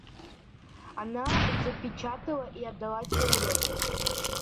Она запечатала и отдала человеку.